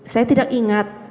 saya tidak ingat